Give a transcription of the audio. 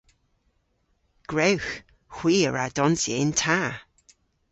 Gwrewgh! Hwi a wra donsya yn ta!